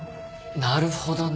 なるほどね。